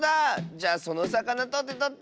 じゃそのさかなとってとって！